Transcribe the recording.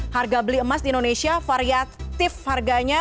harga beli emas di indonesia variatif harganya